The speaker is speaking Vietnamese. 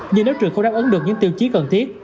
nhưng nếu trường không đáp ứng được những tiêu chí cần thiết